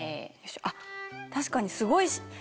あっ確かにすごい。